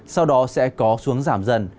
sau đó sẽ có xuống giảm dần